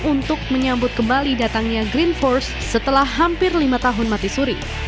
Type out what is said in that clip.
untuk menyambut kembali datangnya green force setelah hampir lima tahun mati suri